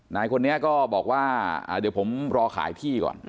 นายคนนี้ก็บอกว่าเดี๋ยวผมรอขายที่ก่อน